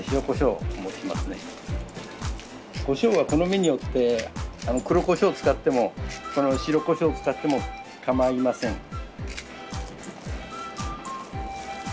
こしょうは好みによって黒こしょう使ってもこの白こしょう使ってもかまいません。